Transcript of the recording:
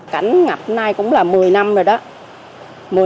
cảnh ngập nay cũng là một mươi năm rồi đó